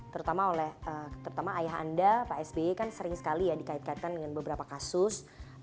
terutama oleh terutama ayah anda pak sby kan sering sekali ya dikait kaitkan dengan beberapa kasus